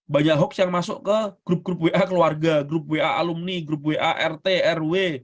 banyak hoax yang masuk ke grup grup wa keluarga grup wa alumni grup wa rt rw